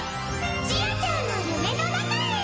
ちあちゃんの夢の中へ！